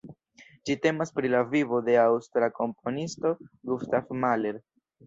Ĝi temas pri la vivo de la aŭstra komponisto Gustav Mahler.